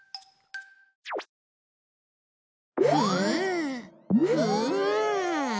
ふっふっ。